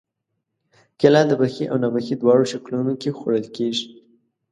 کېله د پخې او ناپخې دواړو شکلونو کې خوړل کېږي.